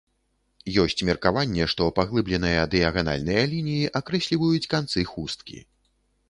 Ёсць меркаванне, што паглыбленыя дыяганальныя лініі акрэсліваюць канцы хусткі.